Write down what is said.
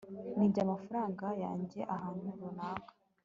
nibye amafaranga yanjye ahantu runaka